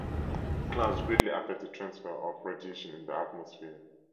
Clouds greatly affect the transfer of radiation in the atmosphere.